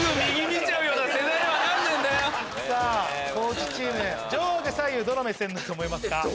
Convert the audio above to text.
地チーム上下左右どの目線だと思いますか？